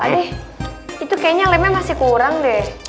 pak deh itu kayaknya lemnya masih kurang deh